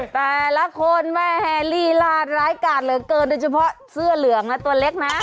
แต่ละคนแม่แฮลี่ลาดร้ายกาดเหลือเกินโดยเฉพาะเสื้อเหลืองนะตัวเล็กนะ